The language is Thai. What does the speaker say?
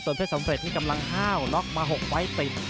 ส่วนเพศสำเร็จที่กำลังห้าวน็อกมา๖ไฟติด